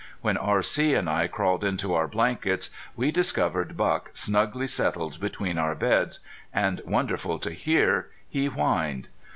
When R.C. and I crawled into our blankets we discovered Buck snugly settled between our beds, and wonderful to hear, he whined.